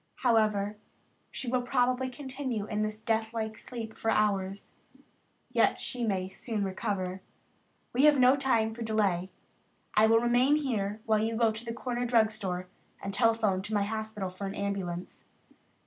However, she will probably continue in this deathlike sleep for hours, and yet she may soon recover. We have no time to delay. I will remain here while you go to the corner drug store and telephone to my hospital for an ambulance.